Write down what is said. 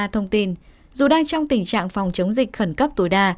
thông tin dù đang trong tình trạng phòng chống dịch khẩn cấp tối đa